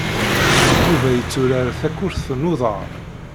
Yuba yetturar takurt n uḍar.